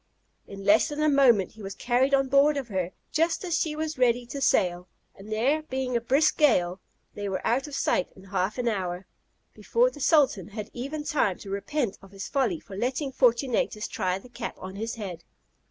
In less than a moment he was carried on board of her, just as she was ready to sail; and there being a brisk gale, they were out of sight in half an hour, before the sultan had even time to repent of his folly for letting Fortunatus try the cap on his head.